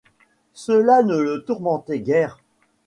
Cela ne le tourmentait guère.